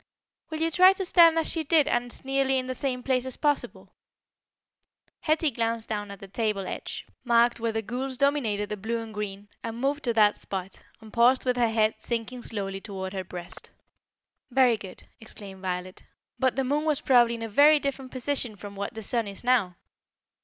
"Will you try to stand as she did and as nearly in the same place as possible?" Hetty glanced down at the table edge, marked where the gules dominated the blue and green, and moved to that spot, and paused with her head sinking slowly towards her breast. "Very good," exclaimed Violet. "But the moon was probably in a very different position from what the sun is now."